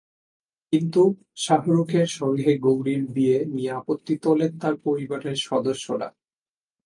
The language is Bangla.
কিন্তু শাহরুখের সঙ্গে গৌরীর বিয়ে নিয়ে আপত্তি তোলেন তাঁর পরিবারের সদস্যরা।